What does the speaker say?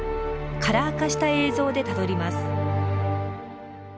カラー化した映像でたどります。